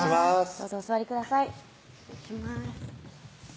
どうぞお座りください